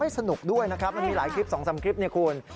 สนุกด้วยนะครับมันมีหลายคลิป๒๓คลิปเนี่ยคุณ